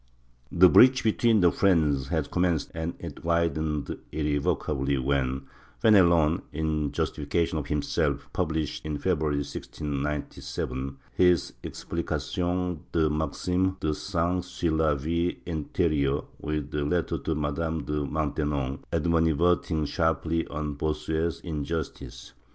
The breach between the friends had commenced and it widened irrevocably when Fenelon, in justification of himself, published, in February 1697, his Explication des Maximes des Saints sur la Vie interieure, with a letter to Madame de Maintenon animad verting sharply on Bossuet's injustice.